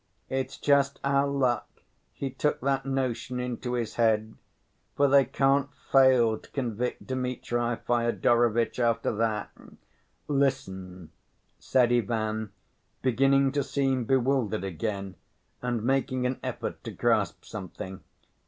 It's just our luck he took that notion into his head, for they can't fail to convict Dmitri Fyodorovitch after that." "Listen ..." said Ivan, beginning to seem bewildered again and making an effort to grasp something.